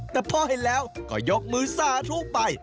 แต่พอเห็นแล้วก็ยกมือสาธุไป